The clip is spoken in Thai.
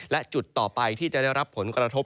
และจุดต่อไปที่จะได้รับผลกระทบ